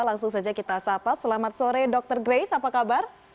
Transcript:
langsung saja kita sapa selamat sore dr grace apa kabar